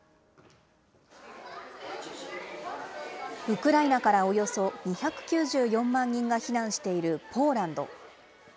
ウクライナからおよそ２９４万人が避難しているポーランド。